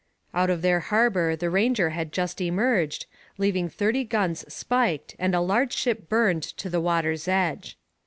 Out of their harbour the Ranger had just emerged, leaving thirty guns spiked and a large ship burned to the water's edge.